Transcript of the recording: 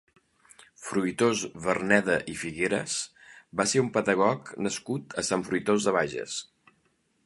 Fruitós Verneda i Figueras va ser un pedagog nascut a Sant Fruitós de Bages.